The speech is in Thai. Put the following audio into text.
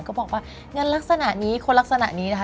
ก็บอกว่าเงินลักษณะนี้คนลักษณะนี้นะคะ